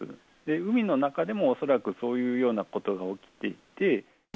海の中でも、恐らくそういうようなことが起きていて。